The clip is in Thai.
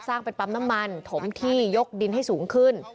เป็นปั๊มน้ำมันถมที่ยกดินให้สูงขึ้น